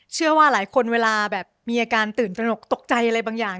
เชื่อว่าหลายคนเวลาแบบมีอาการตื่นตระหนกตกใจอะไรบางอย่าง